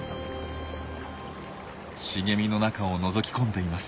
茂みの中をのぞき込んでいます。